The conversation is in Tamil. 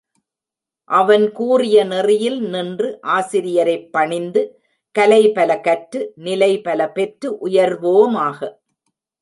அவன் கூறிய நெறியில் நின்று, ஆசிரியரைப் பணிந்து, கலை பல கற்று, நிலை பல பெற்று உயர்வோமாக!